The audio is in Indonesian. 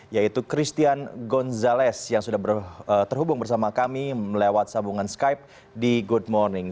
yaitu christian gonzalez yang sudah terhubung bersama kami lewat sambungan skype di good morning